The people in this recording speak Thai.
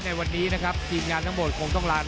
ในวันนี้นะครับทีมงานทั้งหมดคงต้องลา